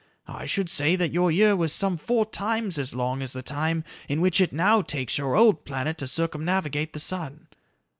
I should say that your year was some four times as long as the time in which it now takes your old planet to circumnavigate the sun.